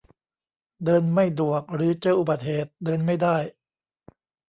เดินไม่ดวก หรือเจออุบัติเหตุ เดินไม่ได้